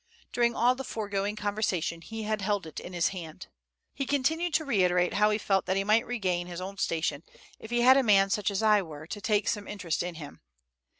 During all the foregoing conversation, he had held it in his hand. He continued to reiterate how he felt that he might regain his old station if he had a man such as I were to take some interest in him.